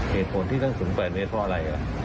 เหตุผลที่ทั้งสูง๘เมตรเพราะอะไร